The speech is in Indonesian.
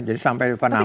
jadi sampai di panama